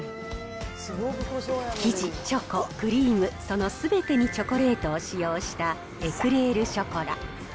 生地、チョコ、クリーム、そのすべてにチョコレートを使用したエクレール・ショコラ。